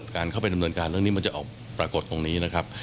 การเข้าไปดำเนินการเรื่องนี้มันจะออกปรากฏตรงนี้นะครับ